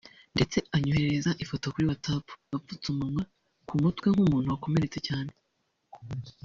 ndetse anyoherereza ifoto kuri Watsapp apfutse ku mutwe nk’umuntu wakomeretse cyane